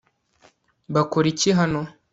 bakora iki hano